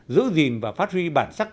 giữ gìn và phát huy bản sắc tốt